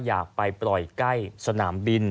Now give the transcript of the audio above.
อยากไปปล่อยใกล้สนามบิน